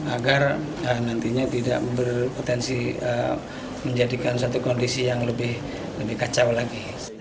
agar nantinya tidak berpotensi menjadikan satu kondisi yang lebih kacau lagi